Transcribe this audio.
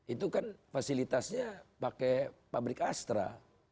itu kan fasilitasnya pakai pabrik astra